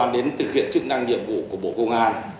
đến thực hiện chức năng nhiệm vụ của bộ công an